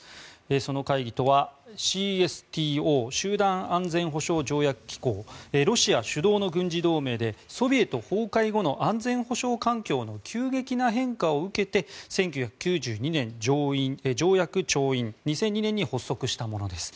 その会議とはＣＳＴＯ・集団安全保障条約機構ロシア主導の軍事同盟でソビエト崩壊後の安全保障環境の急激な変化を受けて１９９２年、条約調印２００２年に発足したものです。